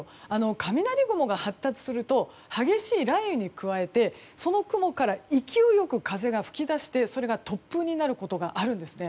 雷雲が発達すると激しい雷雨に加えてその雲から勢い風が吹き出してそれが突風になることがあるんですね。